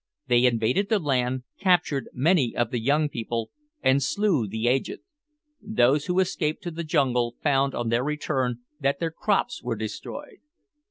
They invaded the land, captured many of the young people, and slew the aged. Those who escaped to the jungle found on their return that their crops were destroyed.